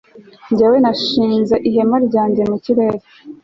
jyewe, nashinze ihema ryanjye mu kirere